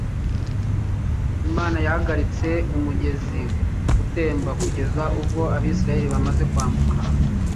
Imana yahagaritse umugezi gutemba kugeza ubwo Abisiraheli bamaze kwambuka